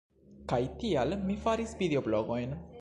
Kaj tial mi faris videoblogojn.